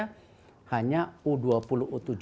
saya anggap ini bakal jadi co i whispering kurut virus lu ya